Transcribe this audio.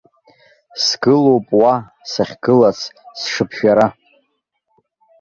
Сгылоуп уа, сахьгылац, сшыԥжәара.